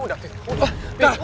udah fit udah